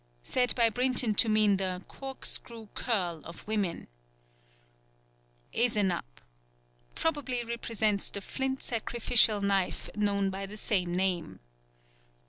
_ Said by Brinton to mean the "cork screw curl" of women. 15th. Ezenab. Probably represents the flint sacrificial knife known by the same name.